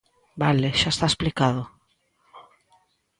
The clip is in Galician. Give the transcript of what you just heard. Vale, xa está explicado.